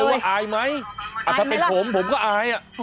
ถามเลยว่าอายไหมแต่ถ้าเป็นผมผมก็อายอ่ะ